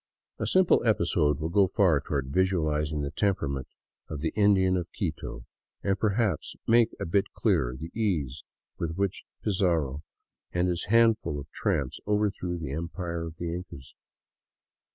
A simple episode will go far toward visualizing the temperament of the Indian of Quito, and perhaps make a bit clearer the ease with which Pizarro and his handful of tramps overthrew the Empire of the Incas.